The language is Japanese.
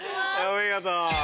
お見事。